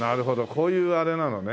こういうあれなのね。